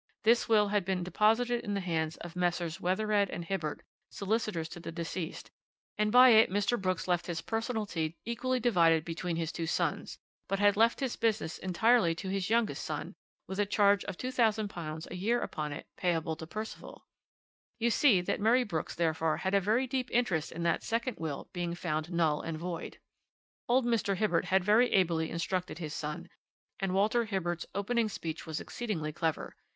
This will had been deposited in the hands of Messrs. Wethered and Hibbert, solicitors to the deceased, and by it Mr. Brooks left his personalty equally divided between his two sons, but had left his business entirely to his youngest son, with a charge of £2000 a year upon it, payable to Percival. You see that Murray Brooks therefore had a very deep interest in that second will being found null and void. "Old Mr. Hibbert had very ably instructed his son, and Walter Hibbert's opening speech was exceedingly clever.